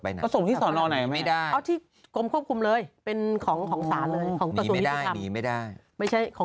มันก็จะรู้เลยทันทีว่าเธอไปไหน